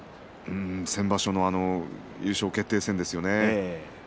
先場所の優勝決定戦ですよね。